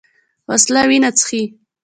وسله وینه څښي